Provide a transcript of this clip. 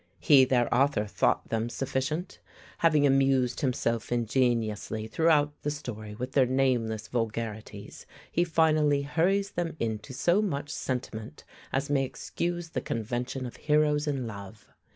He, their author, thought them sufficient. Having amused himself ingeniously throughout the story with their nameless vulgarities, he finally hurries them into so much sentiment as may excuse the convention of heroes in love.